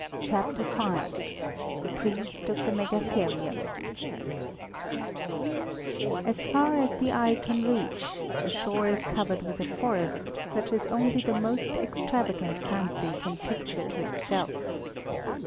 CHAPTER V THE PRIEST OF THE MEGATHERIUM As far as the eye can reach, the shore is covered with a forest, such as only the most extravagant fancy can picture to itself.